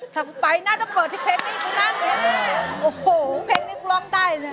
ถัดไปหน้าต้องเปิดที่เพลงนี้กูนั่งอย่างนี้โอ้โหเพลงนี้กูเล่าได้เนี่ย